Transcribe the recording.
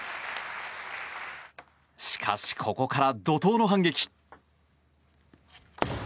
しかし、ここから怒とうの反撃。